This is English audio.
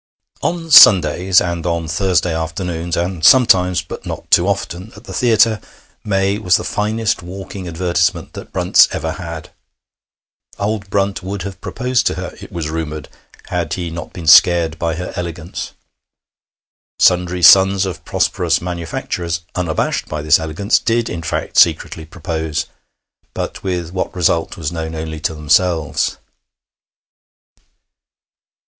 On Sundays and on Thursday afternoons, and sometimes (but not too often) at the theatre, May was the finest walking advertisement that Brunt's ever had. Old Brunt would have proposed to her, it was rumoured, had he not been scared by her elegance. Sundry sons of prosperous manufacturers, unabashed by this elegance, did in fact secretly propose, but with what result was known only to themselves.